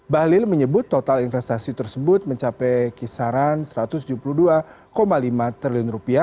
bahlil menyebut total investasi tersebut mencapai kisaran rp satu ratus tujuh puluh dua lima triliun